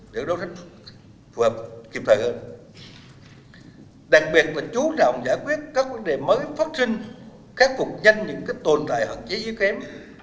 đặc biệt là chủ động giải quyết các vấn đề mới phát sinh khắc phục nhanh những tồn tại hoặc chế giới kém